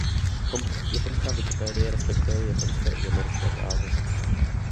Japonská Wikipedie respektuje japonské i americké právo.